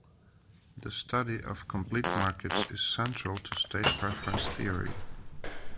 The study of complete markets is central to state-preference theory.